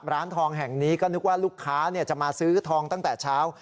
ร้านทองแห่งนี้ก็นึกว่าลูกค้าจะมาซื้อทองตั้งแต่เช้า